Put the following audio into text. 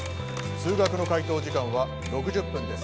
・数学の解答時間は６０分です